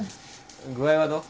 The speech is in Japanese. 具合はどう？